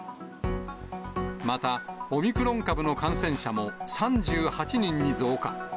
また、オミクロン株の感染者も３８人に増加。